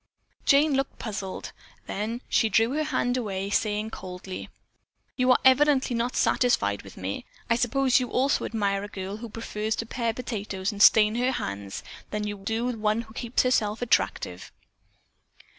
Jane looked puzzled, then she drew her hand away, saying coldly: "You are evidently not satisfied with me. I suppose that you also admire a girl who prefers to pare potatoes and stain her hands, than you do one who keeps herself attractive."